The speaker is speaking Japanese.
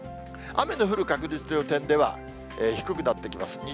雨の降る確率という点では、低くなってきます。